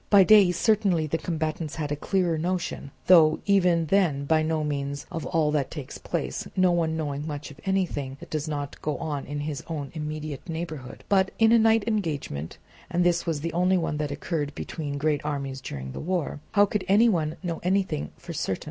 By day certainly the combatants have a clearer notion, though even then by no means of all that takes place, no one knowing much of anything that does not go on in his own immediate neighbourhood; but in a night engagement (and this was the only one that occurred between great armies during the war) how could any one know anything for certain?